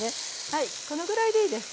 はいこのぐらいでいいです。